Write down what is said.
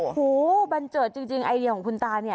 โอ้โฮบันเจิดจริงไอเดียของคุณตา